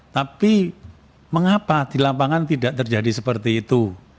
tapi mengapa di lapangan tidak terjadi seperti itu